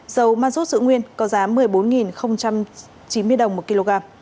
dầu mazut dự nguyên có giá một mươi bốn chín mươi đồng một kg